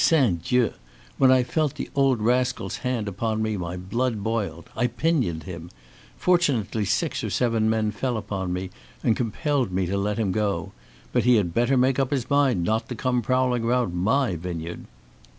Saint Dieu! When I felt the old rascal's hand upon me my blood boiled. I pinioned him. Fortunately, six or seven men fell upon me, and compelled me to let him go. But he had better make up his mind not to come prowling around my vineyard!"